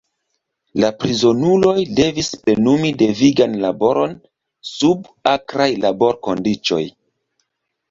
La prizonuloj devis plenumi devigan laboron sub akraj laborkondiĉoj.